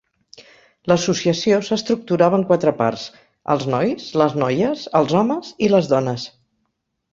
L'associació s'estructurava en quatre parts: els nois, les noies, els homes i les dones.